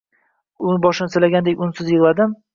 Uning boshini silagandek unsiz yig’ladim.